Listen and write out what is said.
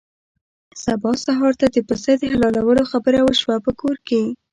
سبا سهار ته د پسه د حلالولو خبره وشوه په کور کې.